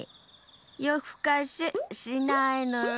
よふかししないのよ！